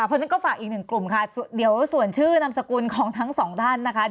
เพราะฉะนั้นก็ฝากอีกหนึ่งกลุ่มค่ะเดี๋ยวส่วนชื่อนามสกุลของทั้งสองท่านนะคะ